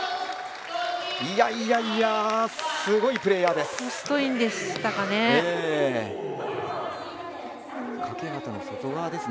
いやいや、すごいプレーヤーです。